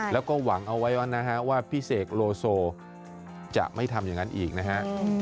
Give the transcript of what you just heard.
แล้วก็หวังเอาไว้ว่านะฮะว่าพี่เสกโลโซจะไม่ทำอย่างนั้นอีกนะฮะ